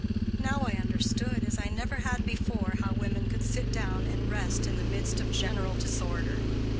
Now I understood, as I never had before, how women could sit down and rest in the midst of general disorder.